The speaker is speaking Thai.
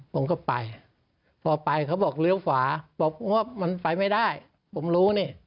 ผมก็ไปพอไปเขาบอกเลี้ยวขวาบอกว่ามันไปไม่ได้ผมรู้นี่